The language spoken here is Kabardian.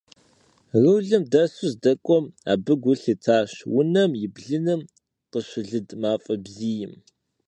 Рулым дэсу здэкӀуэм абы гу лъитащ унэм и блыным къыщылыд мафӀэ бзийм.